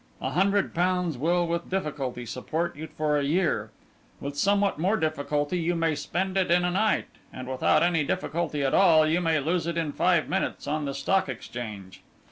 A hundred pounds will with difficulty support you for a year; with somewhat more difficulty you may spend it in a night; and without any difficulty at all you may lose it in five minutes on the Stock Exchange.